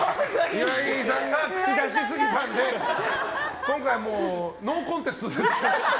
岩井さんが口出しすぎたので今回もうノーコンテストです。